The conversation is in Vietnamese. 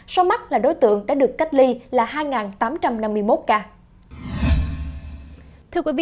số mắc là đối tượng đã được cách ly là hai tám trăm năm mươi một ca